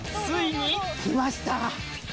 ついに。きました！